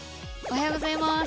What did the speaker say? おはようございます。